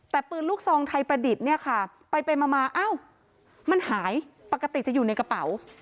แต่ปืนลูกซองไทยประดิษฐ์เนี่ยค่ะไปมาอ้าวมันหายปกติจะอยู่ในกระเป๋า